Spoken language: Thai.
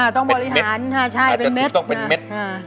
ต้องบริหารใช่เป็นเม็ด